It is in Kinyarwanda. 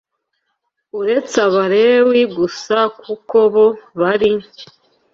uretse Abalewi gusa kuko bo bari